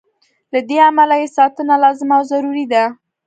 له دې امله یې ساتنه لازمه او ضروري ده.